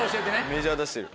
メジャー出してる。